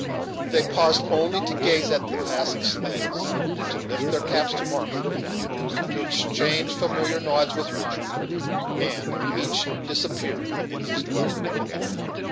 They paused only to gaze at the passing sleighs, to lift their caps to Marmaduke, to exchange familiar nods with Richard, and each disappeared in his dwelling.